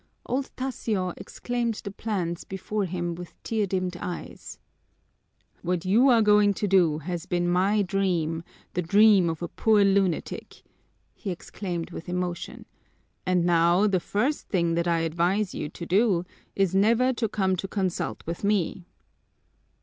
Old Tasio examined the plans before him with tear dimmed eyes. "What you are going to do has been my dream, the dream of a poor lunatic!" he exclaimed with emotion. "And now the first thing that I advise you to do is never to come to consult with me."